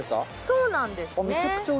そうなんですね。